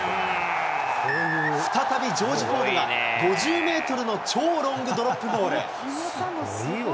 再びジョージ・フォードが、５０メートルの超ロングドロップゴール。